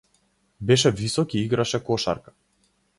Беше висок и играше кошарка.